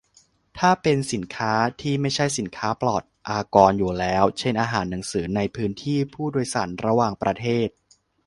ถ้าเป็นสินค้าที่ไม่ใช่สินค้าปลอดอากรอยู่แล้ว เช่น อาหาร หนังสือ ในพื้นที่ผู้โดยสารระหว่างประเทศ